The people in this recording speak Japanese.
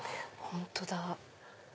本当だ。